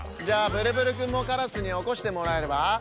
じゃあブルブルくんもカラスにおこしてもらえば？